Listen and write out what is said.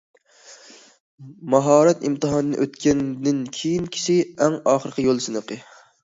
ماھارەت ئىمتىھانىدىن ئۆتكەندىن كېيىنكىسى ئەڭ ئاخىرقى يول سىنىقى.